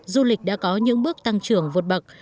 du lịch đã có những bước tăng trưởng vượt bậc